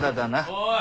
おい！